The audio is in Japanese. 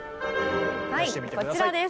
はいこちらです。